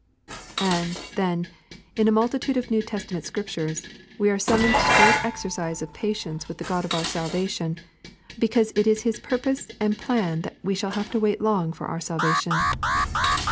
And, then, in a multitude of New Testament scriptures, we are summoned to great exercise of patience with the God of our salvation, because it is His purpose and plan that we shall have to wait long for our salvation.